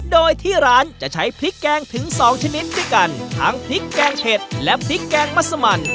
โดยที่ร้านจะใช้พริกแกงถึงสองชนิดด้วยกันทั้งพริกแกงเผ็ดและพริกแกงมัสมัน